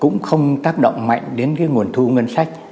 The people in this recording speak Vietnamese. cũng không tác động mạnh đến cái nguồn thu ngân sách